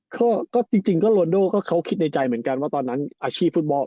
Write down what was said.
ก็จริงก็โรนโดก็เขาคิดในใจเหมือนกันว่าตอนนั้นอาชีพฟุตบอล